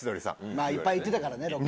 まあいっぱい行ってたからねロケ。